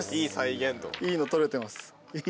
いいの撮れてます。